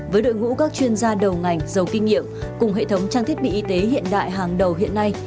với đội ngũ các chuyên gia đầu ngành giàu kinh nghiệm cùng hệ thống trang thiết bị y tế hiện đại hàng đầu hiện nay